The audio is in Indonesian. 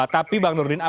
tapi bang nurudin